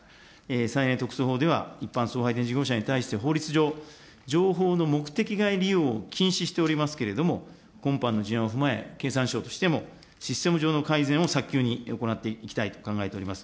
再エネ特措法では、一般送配電事業者に対して、法律上、情報の目的外利用を禁止しておりますけれども、今般の事案を踏まえ、経産省としてもシステム上の改善を早急に行っていきたいと考えております。